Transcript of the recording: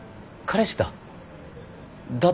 彼氏だ。